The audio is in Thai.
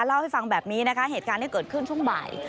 เล่าให้ฟังแบบนี้นะคะเหตุการณ์ที่เกิดขึ้นช่วงบ่าย